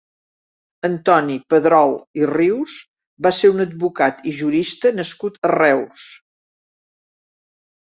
Antoni Pedrol i Rius va ser un advocat i jurista nascut a Reus.